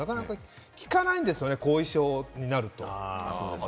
効かないんですよね、後遺症になると。